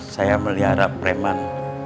saya melihara preman